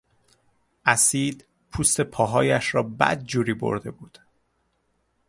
اسید پوست پاهایش را بدجوری برده بود.